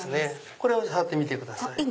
これ触ってみてください。